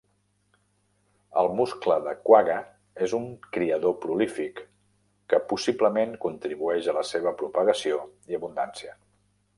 El muscle de quagga és un criador prolífic, que possiblement contribueix a la seva propagació i abundància.